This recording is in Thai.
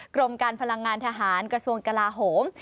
กรมการพลังงานทหารกระทรวงกลาโหม